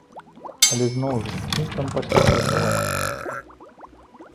Але зноў жа, кім там пасля працаваць?